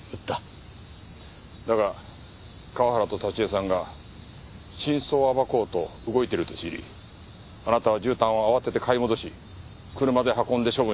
だが河原と沙知絵さんが真相を暴こうと動いていると知りあなたはじゅうたんを慌てて買い戻し車で運んで処分した。